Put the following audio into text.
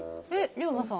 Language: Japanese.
龍馬さん